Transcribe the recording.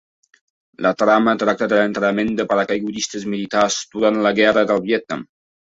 La trama tracta de l'entrenament de paracaigudistes militars durant la guerra del Vietnam.